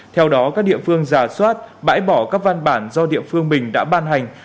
theo đó các địa phương giả soát bãi bỏ các văn bản do địa phương mình đã ban hành